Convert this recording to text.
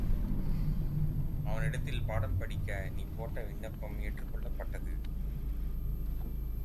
அவனிடத்தில் பாடம் படிக்க நீ போட்ட விண்ணப்பம் ஏற்றுக் கொள்ளப்பட்டது.